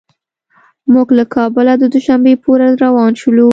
موږ له کابله د دوشنبې په ورځ روان شولو.